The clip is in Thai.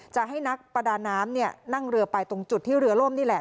จะให้นักประดาน้ำนั่งเรือไปตรงจุดที่เรือล่มนี่แหละ